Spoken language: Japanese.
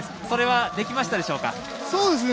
それはできましたでしょうか。